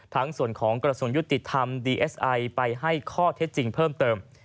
ทั้งส่วนของกรสุนยุติธรรมไปให้ข้อเท็จจริงเพิ่มเติม